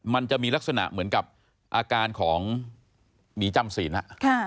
มันจะมีลักษณะเหมือนกับอาการของหมีจำศีล